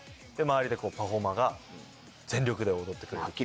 で周りでパフォーマーが全力で踊ってくれる。